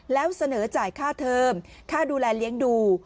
แล้วเสนอจ่ายค่าเทอมค่าดูแลเลี้ยงดู